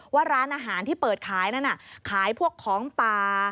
ว่าร้านอาหารที่เปิดขายนั่นน่ะขายพวกของป่า